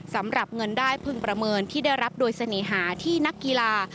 สำหรับเงินได้พึงประเมินที่ได้รับโดยเสน่หาที่นักกีฬา